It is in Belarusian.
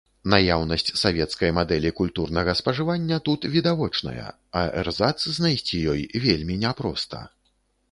Наяўнасць савецкай мадэлі культурнага спажывання тут відавочная, а эрзац знайсці ёй вельмі не проста.